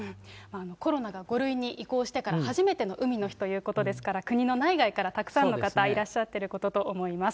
コロナが５類に移行してから初めての海の日ということですから、国の内外から、たくさんの方いらっしゃっていることと思います。